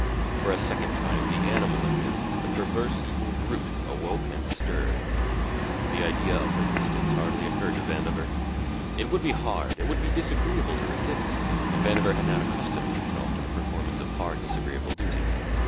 For a second time the animal in him, the perverse evil brute, awoke and stirred. The idea of resistance hardly occurred to Vandover; it would be hard, it would be disagreeable to resist, and Vandover had not accustomed himself to the performance of hard, disagreeable duties.